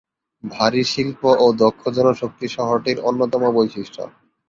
ভারী শিল্প ও দক্ষ জনশক্তি শহরটির অন্যতম বৈশিষ্ট্য।